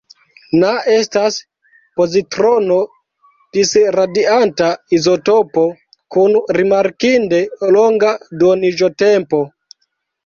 Na estas pozitrono-disradianta izotopo kun rimarkinde longa duoniĝotempo.